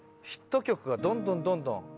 ヒット曲がどんどんどんどん。